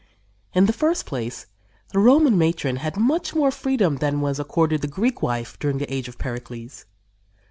In the first place the Roman matron had much more freedom than was accorded the Greek wife during the age of Pericles.